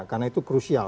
karena itu krusial